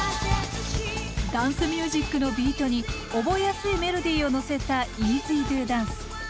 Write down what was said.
ダンスミュージックのビートに覚えやすいメロディーをのせた「ＥＺＤＯＤＡＮＣＥ」。